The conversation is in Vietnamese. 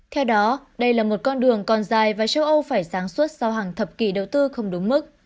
theo đó đây là một con đường còn dài và châu âu phải sáng suốt sau hàng thập kỷ đầu tư không đúng mức